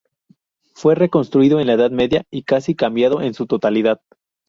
Fue reconstruido en la Edad Media y casi cambiado en su totalidad.